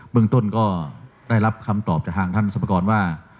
เมืองต้นก็ได้รับคำตอบจากทางท่านสรรพากรว่า